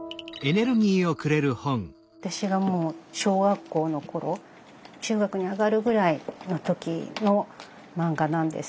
私がもう小学校の頃中学に上がるぐらいの時の漫画なんですけど。